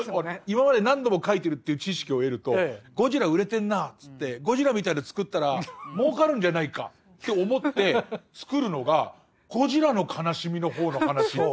今まで何度も描いてるっていう知識を得ると「『ゴジラ』売れてんな」っつって「『ゴジラ』みたいの作ったらもうかるんじゃないか」って思って作るのが「ゴジラ」の悲しみの方の話っていう。